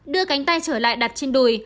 đưa cánh tay trở lại đặt trên đùi